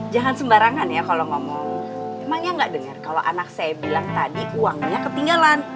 jangan sembarangan ya kalau ngomongnya nggak dengar kalau anak saya bilang tadi uangnya ketinggalan